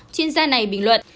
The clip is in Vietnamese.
chuyên gia này bình luận